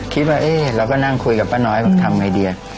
คิดว่าเอ๊ะเราก็นั่งคุยกับป้าน้อยบอกทำไงดี